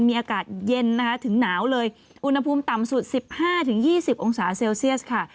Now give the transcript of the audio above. มีอากาศเย็นนะคะถึงหนาวเลยอุณหภูมิต่ำสุด๑๕๒๐องศาเซลเซียสค่ะ